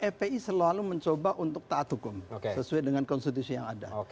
fpi selalu mencoba untuk taat hukum sesuai dengan konstitusi yang ada